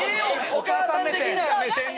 お母さん的な目線で。